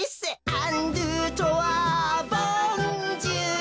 「アンドゥトロワボンジュール」